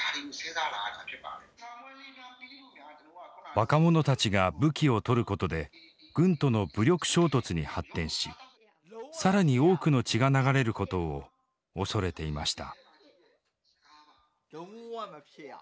若者たちが武器を取ることで軍との武力衝突に発展し更に多くの血が流れることを恐れていました。